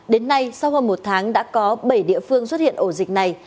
đến nay sau hơn một tháng đã có bảy địa phương xuất hiện ổ dịch này